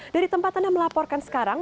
dari tempat anda melaporkan sekarang